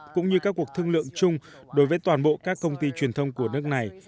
cũng như các cuộc thương lượng chung đối với toàn bộ các công ty truyền thông của nước này